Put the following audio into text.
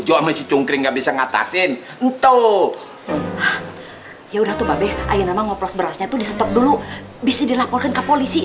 ya udah tuh babe ayo nama ngoplos berasnya tuh disetep dulu bisa dilaporkan ke polisi